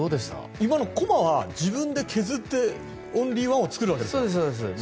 今のコマは自分で削ってオンリーワンを作るわけですか。